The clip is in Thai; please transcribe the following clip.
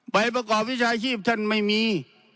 ใบประกอบวิชาชีพท่านไม่มี